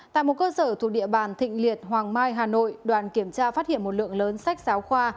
tại một cơ sở thuộc địa bàn thịnh liệt hoàng mai hà nội đoàn kiểm tra phát hiện một lượng lớn sách giáo khoa